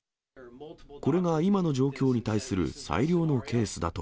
これが今の状況に対する最良のケースだと。